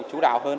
chú đáo hơn